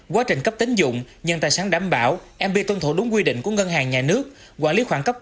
quá trình cấp tính dụng nhân tài sản đảm bảo mb tuân thủ đúng quy định của ngân hàng nhà nước